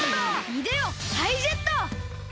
いでよタイジェット！